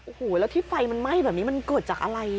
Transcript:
โอ้โหแล้วที่ไฟมันไหม้แบบนี้มันเกิดจากอะไร